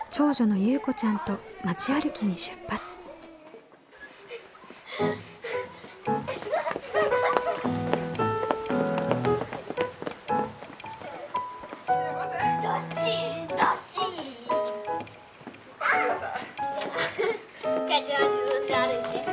母ちゃんは自分で歩いて。